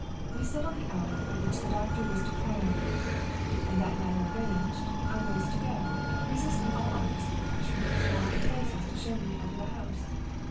We settled the hour at which the doctor was to call on me; and, that matter arranged, I rose to go, resisting all offers of refreshment, and all proposals to show me over the house.